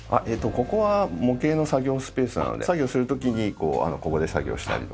ここは模型の作業スペースなので作業する時にここで作業したりとかで。